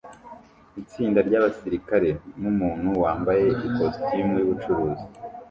Itsinda ryabasirikare numuntu wambaye ikositimu yubucuruz